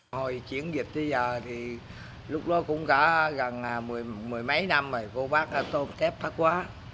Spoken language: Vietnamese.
hồi chuyển dịch tới giờ thì lúc đó cũng cả gần mười mấy năm rồi cô bác tôm kép bác quá